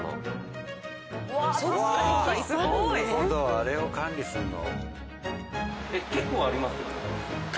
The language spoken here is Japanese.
あれを管理するの。